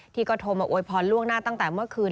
ที่ก็โทรมาอวยพรล่วงหน้าตั้งแต่เมื่อคืน